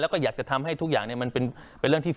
แล้วก็อยากจะทำให้ทุกอย่างเนี่ย